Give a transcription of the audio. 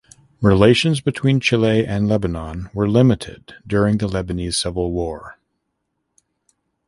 Relations between Chile and Lebanon were limited during the Lebanese Civil War.